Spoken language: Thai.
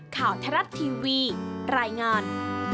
ข่าวทรัฐทีวีรายงาน